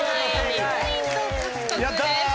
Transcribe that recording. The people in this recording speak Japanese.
２ポイント獲得です。